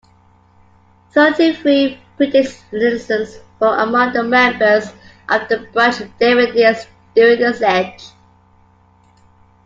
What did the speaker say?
Thirty-three British citizens were among the members of the Branch Davidians during the siege.